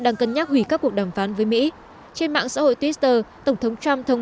đang cân nhắc hủy các cuộc đàm phán với mỹ trên mạng xã hội twitter tổng thống trump thông